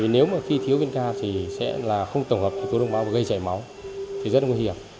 nếu mà khi thiếu vitamin k thì sẽ là không tổng hợp với yếu tố đông máu và gây chảy máu thì rất là nguy hiểm